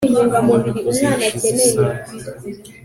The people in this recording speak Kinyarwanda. wabivuze hashize isaha